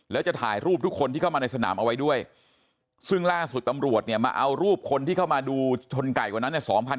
แล้วจะถ่ายรูปทุกคนที่เข้ามาในสนามเอาไว้ด้วยซึ่งล่าสุดตำรวจเนี่ยมาเอารูปคนที่เข้ามาดูชนไก่กว่านั้นเนี่ย